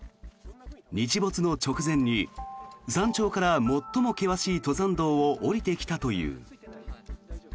日没の直前に山頂から最も険しい登山道を下りてきたという。